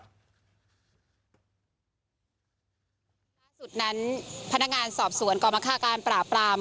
ล่าสุดนั้นพนักงานสอบสวนกรมคาการปราบปราม